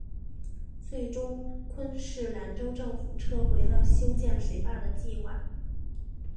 最终昆士兰州政府撤回了修建水坝的计划。